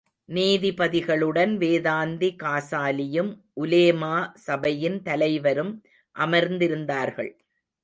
நீதிபதிகளுடன் வேதாந்தி காசாலியும் உலேமா சபையின் தலைவரும் அமர்ந்திருந்தார்கள்.